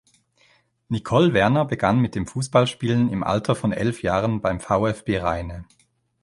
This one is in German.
Nicole Werner begann mit dem Fußballspielen im Alter von elf Jahren beim VfB Rheine.